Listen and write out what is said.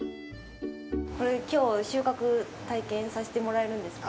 これ、きょう収穫体験させてもらえるんですか。